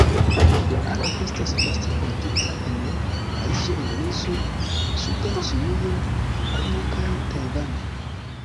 La arbo estas vaste plantita en Malajzio, Indonezio, suda Ĉinujo, Hongkongo kaj Tajvano.